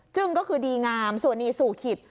ึ้งก็คือดีงามส่วนนีสู่ขิต